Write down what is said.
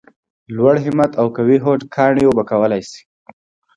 لوړ همت او قوي هوډ کاڼي اوبه کولای شي !